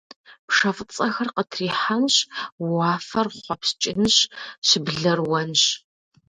Пшэ фӏыцӏэхэр къытрихьэнщ, уафэр хъуэпскӏынщ, щыблэр уэнщ.